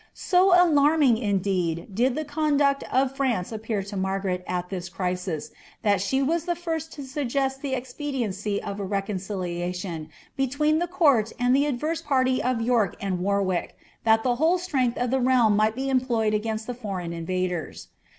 So alarming, indeed, &i At eoiidu/'t of Franre appear la Mar^|u«t at lhi« enais, that *he wu tbaliiit to Kuggent the expediency of a rcroncilialion between the coan and ih* advene party of York and Warwick, that the whole strength of th» realm uiiglu be em[4oyed against Ibreign ini^ders.